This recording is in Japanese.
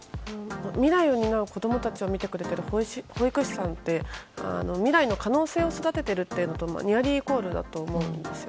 未来を担う子供たちを見てくれている保育士さんって未来の可能性を育てているということとニアリーイコールだと思うんです。